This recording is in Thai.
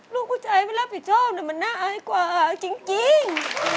ลูกผู้ใจมันรับผิดชอบแต่มันน่าอายกว่าจริง